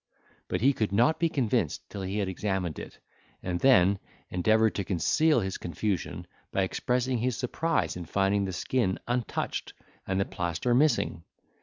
But he could not be convinced till he had examined it, and then endeavoured to conceal his confusion, by expressing his surprise in finding the skin untouched and the plaster missing.